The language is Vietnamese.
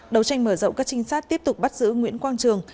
đầu tranh mở rộng các trinh sát tiếp tục bắt giữ nguyễn quang trường